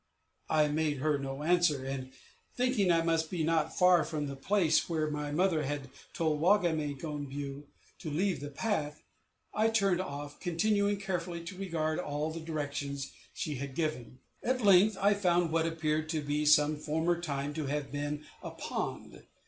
I made her no answer; and thinking I must be not far from the place where my mother had told Wa me gon a biew to leave the path, I turned off, continuing carefully to regard all the directions she had given. At length I found what appeared at some former time to have been a pond.